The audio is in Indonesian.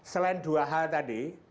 selain dua hal tadi